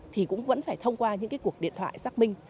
thì cũng vẫn phải thông qua những cái cuộc điện thoại xác minh